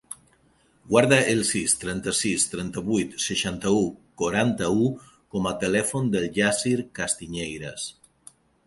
Guarda el sis, trenta-sis, trenta-vuit, seixanta-u, quaranta-u com a telèfon del Yassir Castiñeiras.